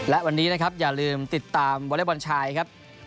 และวันนี้นะครับอย่าลืมติดตามวอเล็กบอลชายครับ